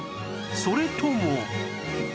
それとも